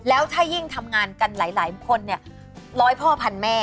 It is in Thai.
แล้วถ้ายิ่งทำงานกันหลายคนเนี่ยร้อยพ่อพันแม่